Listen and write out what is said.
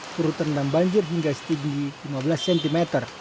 berurutan dan banjir hingga setinggi lima belas cm